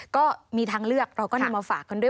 ก็มีทางเลือกเราก็นำมาฝากกันด้วย